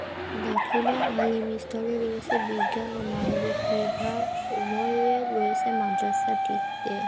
দাখিল ও আলিম স্তরে রয়েছে বিজ্ঞান ও মানবিক বিভাগ উভয়ই রয়েছে মাদ্রাসাটিতে।